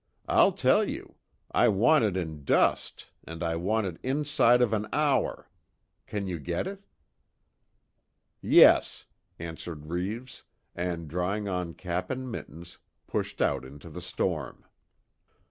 I'll tell you. I want it in dust, and I want it inside of an hour. Can you get it?" "Yes," answered Reeves, and drawing on cap and mittens, pushed out into the storm.